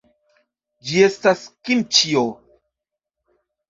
Ĝi estas kimĉio.